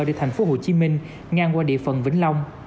đến tp hcm ngang qua địa phần vĩnh long